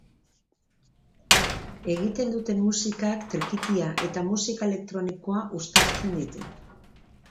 Egiten duten musikak trikitia eta musika elektronikoa uztartzen ditu.